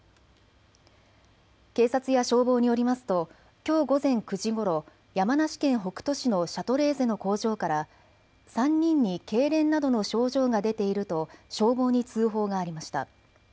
警察や消防によりますときょう午前９時ごろ、山梨県北杜市のシャトレーゼの工場から３人にけいれんなどの症状が出ていると消防に通報がありました。